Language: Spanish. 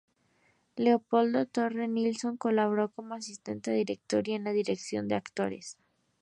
Leopoldo Torre Nilsson colaboró como asistente de director y en la dirección de actores.